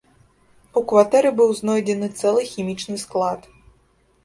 У кватэры быў знойдзены цэлы хімічны склад.